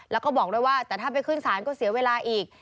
แล้วก็บอกด้วยว่าแต่ถ้าไปขึ้นศาลก็เสียเวลาอีก